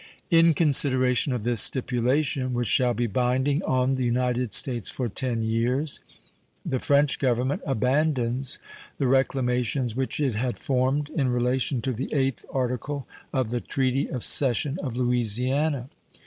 In consideration of this stipulation, which shall be binding on the United States for ten years, the French Government abandons the reclamations which it had formed in relation to the 8th article of the treaty of cession of Louisiana.